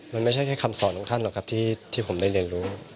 มันไม่ใช่แค่คำสอนของท่านหรอกครับที่ผมได้เรียนรู้